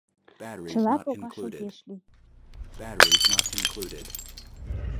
Чыла погаш огеш лий.